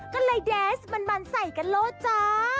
ก็เลยแดนส์มันบรรใส่กันแล้วจ๊ะ